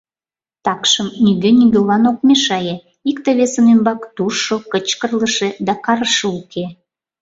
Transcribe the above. Такшым нигӧ нигӧлан ок мешае, икте-весын ӱмбак тужшо, кычкырлыше да карыше уке.